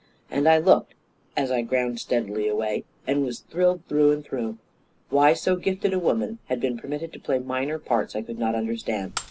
" And I looked, as I ground steadily away, and was thrilled through and through. Why so gifted a woman had been permitted to play minor parts I could not understand.